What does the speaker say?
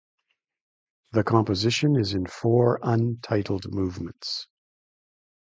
The composition is in four untitled movements.